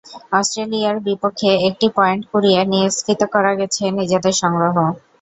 অস্ট্রেলিয়ার বিপক্ষে একটি পয়েন্ট কুড়িয়ে নিয়ে স্ফীত করা গেছে নিজেদের সংগ্রহ।